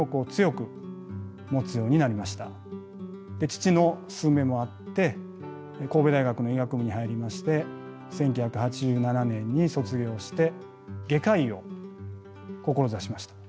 父の勧めもあって神戸大学の医学部に入りまして１９８７年に卒業して外科医を志しました。